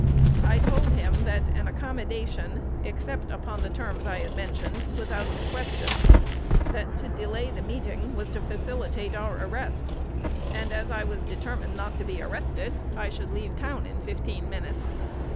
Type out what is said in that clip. I told him that an accommodation, except upon the terms I mentioned, was out of the question; that to delay the meeting was to facilitate our arrest; and, as I was determined not to be arrested, I should leave town in fifteen minutes.